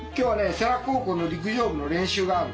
世羅高校の陸上部の練習があるんだよ。